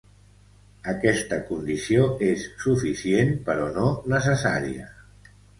Aquesta condició és suficient però no necessària.